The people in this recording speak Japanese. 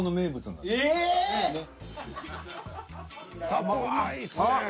タコうまいっすね。